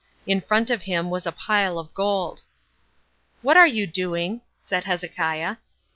In front of him was a pile of gold. "What are you doing?" said Hezekiah.